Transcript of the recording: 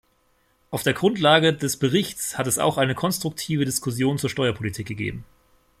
Auf der Grundlage des Berichts hat es auch eine konstruktive Diskussion zur Steuerpolitik gegeben.